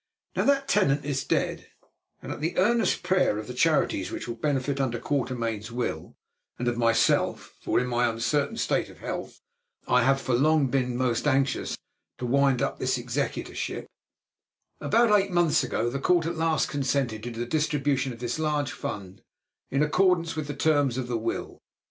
Now that tenant is dead, and at the earnest prayer of the Charities which benefit under Quatermain's will, and of myself—for in my uncertain state of health I have for long been most anxious to wind up this executorship—about eight months ago the Court at last consented to the distribution of this large fund in accordance with the terms of the will.